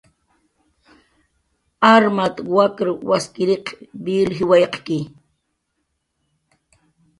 Armat wakr waskiriq vil jiwaqki